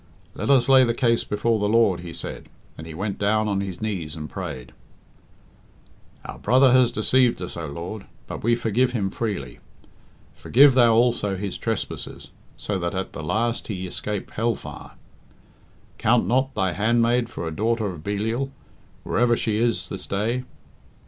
"Let us lay the case before the Lord," he said; and he went down on his knees and prayed "Our brother has deceived us, O Lord, but we forgive him freely. Forgive Thou also his trespasses, so that at the last he escape hell fire. Count not Thy handmaid for a daughter of Belial, wherever she is this day.